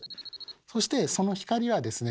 そしてその光はですね